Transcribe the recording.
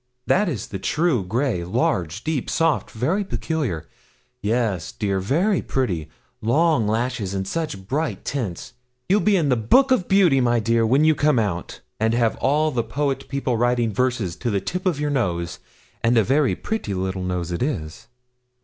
'That is the true grey large, deep, soft very peculiar. Yes, dear, very pretty long lashes, and such bright tints! You'll be in the Book of Beauty, my dear, when you come out, and have all the poet people writing verses to the tip of your nose and a very pretty little nose it is!'